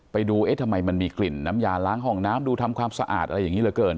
ไปดูเอ๊ะทำไมมันมีกลิ่นน้ำยาล้างห้องน้ำดูทำความสะอาดอะไรอย่างนี้เหลือเกิน